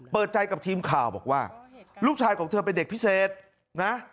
เปิดใจกับทีมข่าวบอกว่าลูกชายของเธอเป็นเด็กพิเศษนะ